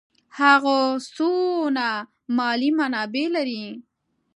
هغه څونه مالي منابع لري.